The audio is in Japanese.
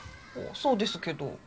そうですけど。